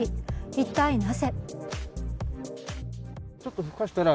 一体なぜ。